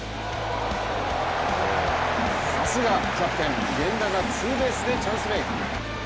さすがキャプテン源田がツーベースでチャンスメーク。